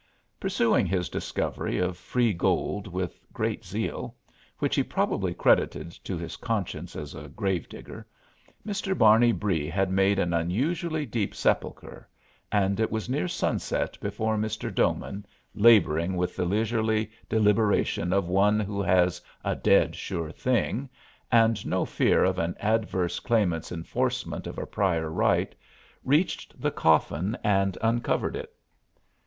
Pursuing his discovery of free gold with great zeal, which he probably credited to his conscience as a grave digger, Mr. Barney Bree had made an unusually deep sepulcher, and it was near sunset before Mr. Doman, laboring with the leisurely deliberation of one who has "a dead sure thing" and no fear of an adverse claimant's enforcement of a prior right, reached the coffin and uncovered it.